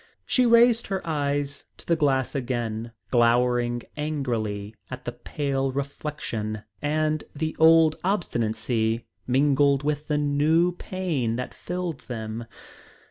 She raised her eyes to the glass again, glowering angrily at the pale reflection, and the old obstinacy mingled with the new pain that filled them.